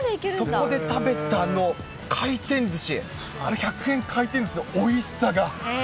そこで食べた回転ずし、あれ、１００円回転ずしのおいしさが。